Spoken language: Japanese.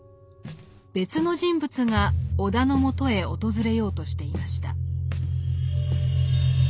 別の人物が尾田の元へ訪れようとしていました。